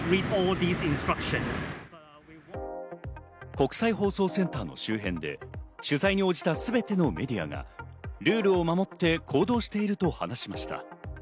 国際放送センターの周辺で取材に応じたすべてのメディアがルールを守って行動していると話しました。